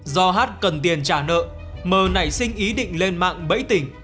do hát cần tiền trả nợ m nảy sinh ý định lên mạng bẫy tỉnh